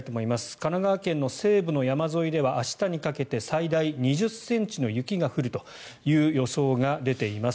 神奈川県の西部の山沿いでは明日にかけて最大２０ｃｍの雪が降る予想が出ています。